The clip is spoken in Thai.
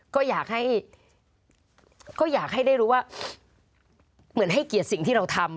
ก็อยากให้ก็อยากให้ได้รู้ว่าเหมือนให้เกียรติสิ่งที่เราทำ